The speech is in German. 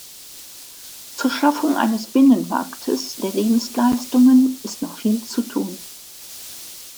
Zur Schaffung eines Binnenmarktes der Dienstleistungen ist noch viel zu tun.